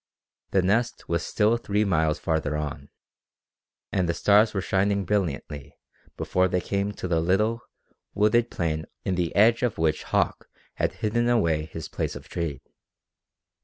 The Nest was still three miles farther on, and the stars were shining brilliantly before they came to the little, wooded plain in the edge of which Hauck had hidden away his place of trade.